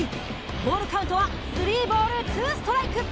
ボールカウントはスリーボールツーストライク。